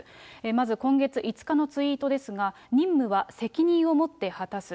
まず、今月５日のツイートですが、任務は責任を持って果たす。